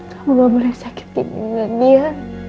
kamu gak boleh sakitkan diri dengan dia